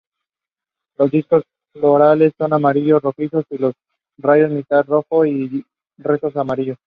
Los discos florales son amarillento rojizos, y los rayos mitad rojos y resto amarillos.